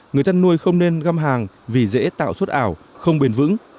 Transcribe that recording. người chăn nuôi không nên găm hàng vì dễ tạo xuất ảo không bền vững